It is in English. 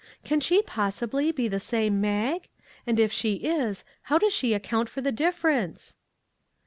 Can she possibly be the same Mag? and if she is, how does she account for the difference?